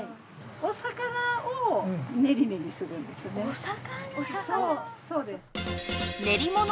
お魚！